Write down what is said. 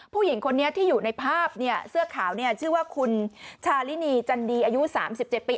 ผู้หญิงคนนี้ที่อยู่ในภาพเสื้อขาวเนี่ยชื่อว่าคุณชาลินีจันดีอายุ๓๗ปี